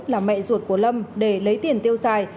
là mẹ ruột của lâm để lấy tiền tiêu xài